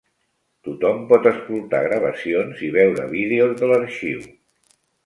Tothom pot escoltar gravacions i veure vídeos de l'arxiu.